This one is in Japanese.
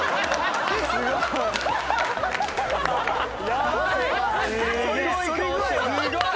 やばい！